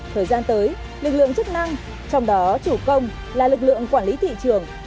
thời gian tới lực lượng chức năng trong đó chủ công là lực lượng quản lý thị trường